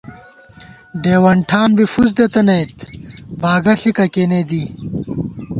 ڈېوَن ٹھان بی فُوس دِی تَنَئیت، باگہ ݪِکہ کېنےدی